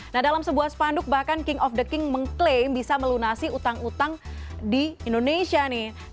nah dalam sebuah spanduk bahkan king of the king mengklaim bisa melunasi utang utang di indonesia nih